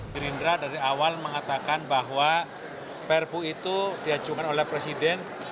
gerindra dari awal mengatakan bahwa perpu itu diajukan oleh presiden